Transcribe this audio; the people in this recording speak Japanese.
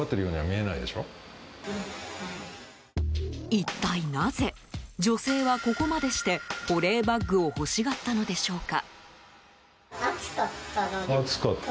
一体なぜ、女性はここまでして保冷バッグを欲しがったのでしょうか。